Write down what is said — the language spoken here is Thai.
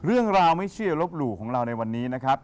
เรื่องราวไม่เชื่อลบหลู่ของเราในวันนี้นะครับ